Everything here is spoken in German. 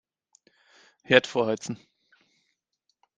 Herd vorheizen.